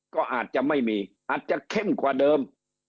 ก็อาจจะไม่มีอาจจะเข้มกว่าเดิม